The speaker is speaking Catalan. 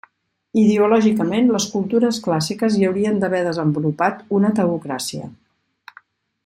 Ideològicament, les cultures clàssiques hi haurien d'haver desenvolupat una teocràcia.